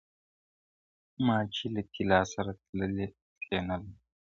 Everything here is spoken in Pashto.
• ما چي له طلا سره تللې اوس یې نه لرم -